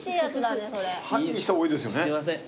すいません。